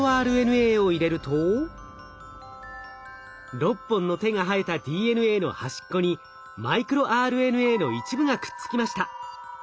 ６本の手が生えたＤＮＡの端っこにマイクロＲＮＡの一部がくっつきました。